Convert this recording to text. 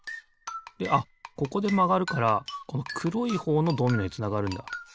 であっここでまがるからこのくろいほうのドミノへつながるんだ。